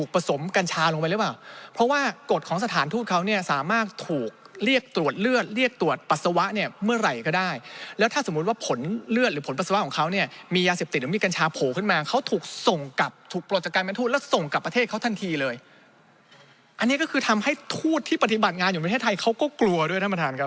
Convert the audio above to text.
ประกาศล่าวสุดละ๒๗พฤษภาพี๒๒เนี่ย